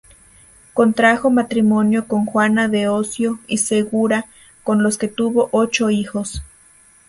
Contrajo matrimonio con Juana de Ocio y Segura con la que tuvo ocho hijos.